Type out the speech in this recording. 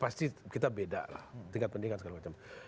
pasti kita beda lah tingkat pendidikan segala macam